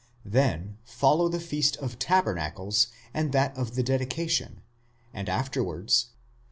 § Then follow the feast of Tabernacles and that of the Dedication, and after wards, xi.